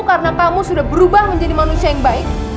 karena kamu sudah berubah menjadi manusia yang baik